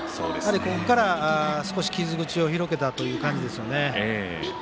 ここから少し傷口を広げたという感じですね。